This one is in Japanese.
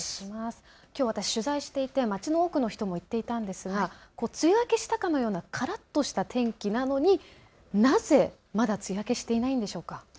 きょう私、取材していて街の多くの人も言っていたんですが梅雨明けしたかのようなからっとした天気なのになぜ、まだ梅雨明けしていないんでしょうか。